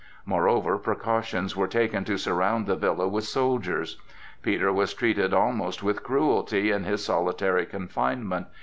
Moreover precautions were taken to surround the villa with soldiers. Peter was treated almost with cruelty in his solitary confinement.